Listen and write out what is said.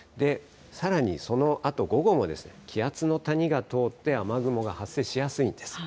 さらに、そのあと午後も、気圧の谷が通って、雨雲が発生しやすいんです。